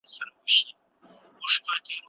موږ نه غواړو چې ناهیلي سو.